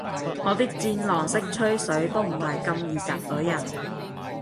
我啲戰狼式吹水都唔係咁易夾到人